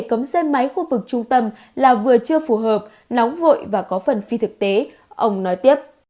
cấm xe máy khu vực trung tâm là vừa chưa phù hợp nóng vội và có phần phi thực tế ông nói tiếp